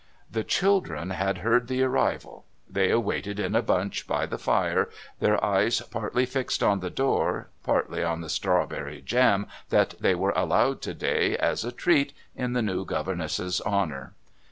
The children had heard the arrival; they waited in a bunch by the fire, their eyes partly fixed on the door, partly on the strawberry jam that they were allowed to day as a treat in the new governess's honour.